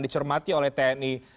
dicermati oleh tni